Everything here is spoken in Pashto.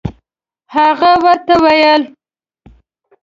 هغه ورته ویل.